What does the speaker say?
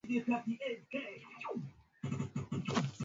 baraza la usalama la umoja wa mataifa lilihusika katika kuhumu kesi hiyo